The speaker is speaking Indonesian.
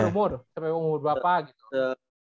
sampai umur bapak gitu